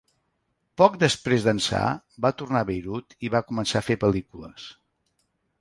Poc després d'ençà va tornar de Beirut i va començar a fer pel·lícules.